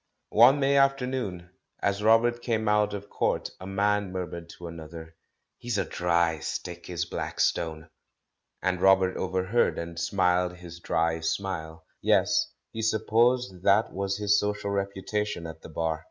One May afternoon, as Robert came out of court, a man murmured to another, "He's a dry stick, is Blackstone!" and Robert overheard, and smiled his dry smile. Yes, he supposed that was his social reputation at the Bar.